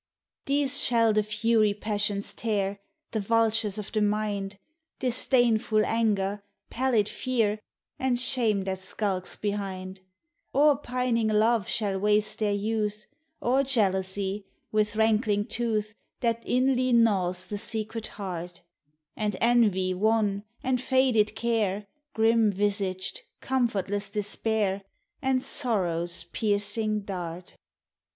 These shall the fury passions tear, The vultures of the mind, Disdainful anger, pallid fear, And shame that skulks behind; Or pining love shall waste their youth, Or jealousy, with rankling tooth, That inly gnaws the secret heart; And envy wan, and faded care, Grim visaged, comfortless despair, And sorrow's piercing dart.